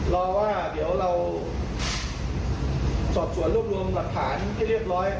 รอว่าเดี๋ยวเราสอบสวนรวบรวมหลักฐานให้เรียบร้อย